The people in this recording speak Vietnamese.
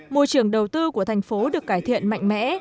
môi trường đầu tư của thành phố được cải thiện mạnh mẽ